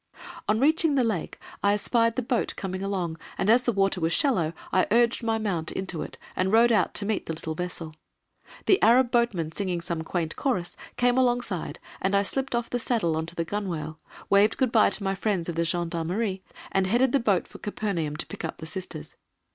On reaching the Lake, I espied the boat coming along, and as the water was shallow I urged my mount into it and rode out to meet the little vessel. The Arab boatmen, singing some quaint chorus, came alongside and I slipped off the saddle on to the gunwale, waved good bye to my friends of the gendarmerie, and headed the boat for Capernaum to pick up the Sisters.